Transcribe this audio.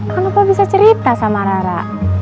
kenapa bisa cerita sama rara